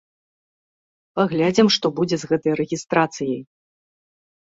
Паглядзім, што будзе з гэтай рэгістрацыяй.